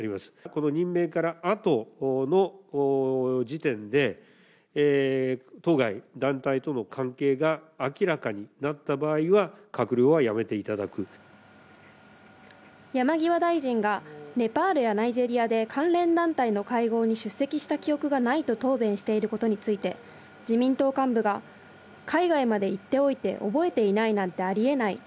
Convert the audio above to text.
この任命からあとの時点で、当該団体との関係が明らかになった場合は、山際大臣が、ネパールやナイジェリアで関連団体の会合に出席した記憶がないと答弁していることについて、自民党幹部が、海外まで行っておいて覚えていないなんてありえない。